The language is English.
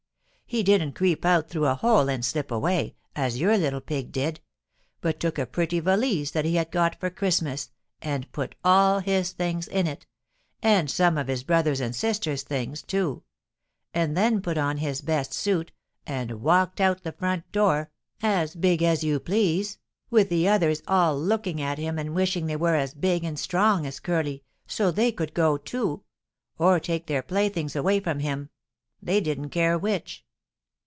He didn't creep out through a hole and slip away, as your little pig did, but took a pretty valise that he had got for Christmas and put all his things in it, and some of his brothers' and sisters' things, too, and then put on his best suit and walked out the front door, as big as you please, with the others all looking at him and wishing they were as big and strong as Curly, so they could go, too, or take their playthings away from him, they didn't care which.